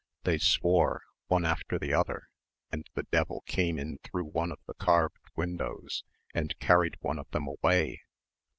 They swore one after the other and the devil came in through one of the carved windows and carried one of them away....